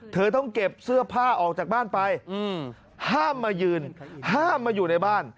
เธอต้องเก็บเสื้อผ้าออกจากบ้านไปห้ามมายืนห้ามมาอยู่ในบ้าน